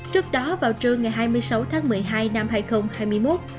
trước đó vào trưa ngày hai mươi sáu tháng một mươi hai năm hai nghìn hai mươi một